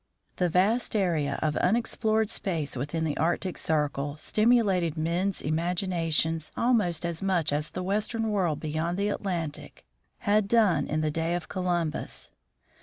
The vast area of unexplored space within the Arctic circle stimulated men's imaginations almost as much as the Western world beyond the Atlantic had done in the days of Columbus.